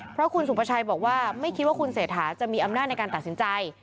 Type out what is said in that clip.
เพราะคุณสุภาชัยบอกว่าไม่คิดว่าคุณเศรษฐาจะมีอำนาจในการตัดสินใจ